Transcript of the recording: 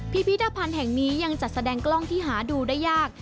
พิพิธภัณฑ์แห่งนี้ยังจัดแสดงกล้องที่หาดูได้ยาก